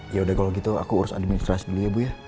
yaudah kalau gitu aku urus administrasi dulu ya bu